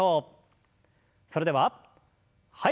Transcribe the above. それでははい。